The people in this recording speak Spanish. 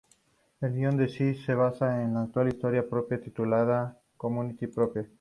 El guion de Cy Howard se basa en una historia propia titulada "Community Property".